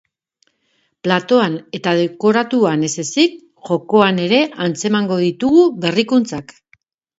Platoan eta dekoratuan ez ezik, jokoan ere antzemango ditugu berrikuntzak.